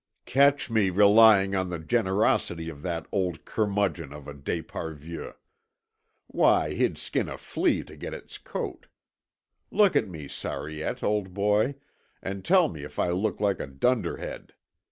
"Catch me relying on the generosity of that old curmudgeon of a d'Esparvieu. Why, he'd skin a flea to get its coat. Look at me, Sariette, old boy, and tell me if I look like a dunderhead.